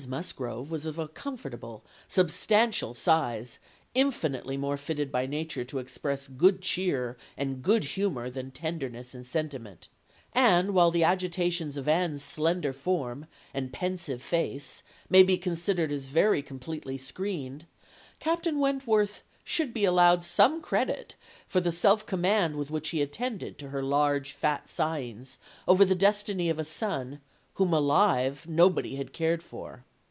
Musgrove was of a comfortable, substantial size, infinitely more fitted by nature to express good cheer and good humour than tenderness and sentiment; and while the agitations of Anne's slender form, and pensive face, may be considered as very completely screened, Captain Wentworth should be allowed some credit for the self command with which he attended to her large fat sighings over the destiny of a son, whom alive nobody had cared for."